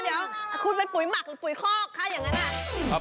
เดี๋ยวคุณเป็นปุ๋ยหมักหรือปุ๋ยคอกคะอย่างนั้น